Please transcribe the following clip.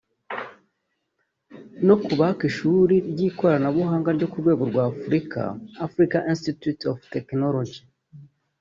no kubaka ishuri ry’ikoranabuhanga ryo ku rwego rwa Afurika “African Institute of Technology